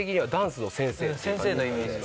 うん先生のイメージ。